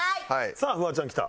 さあフワちゃんきた。